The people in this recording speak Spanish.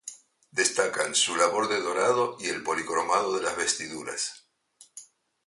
Destacan su labor de dorado y el policromado de las vestiduras.